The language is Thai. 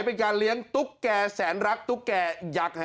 เป็นการเลี้ยงตุ๊กแก่แสนรักตุ๊กแก่ยักษ์